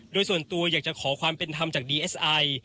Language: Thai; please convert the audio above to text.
โดยส่วนตัวอยากจะขอความเป็นธรรมจากดีเอสไอ